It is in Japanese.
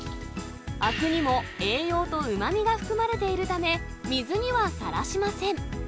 あくにも栄養とうまみが含まれているため、水にはさらしません。